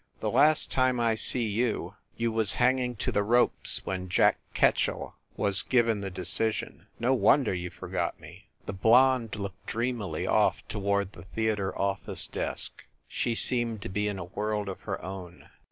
"The last time I see you, you was hanging to the ropes when Jack Ketchell was given the decision. No wonder you forgot me!" The blonde looked dreamily off to ward the theater office desk. She seemed to be in a world of her own.